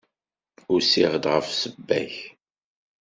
Usiɣ-d ɣef ssebba-k.